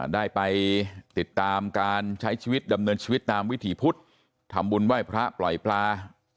ได้ไปติดตามการใช้ชีวิตดำเนินชีวิตตามวิถีพุทธทำบุญไหว้พระปล่อยปลา